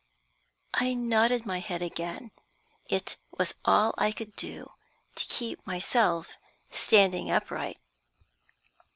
I nodded my head again. It was all I could do to keep myself standing upright.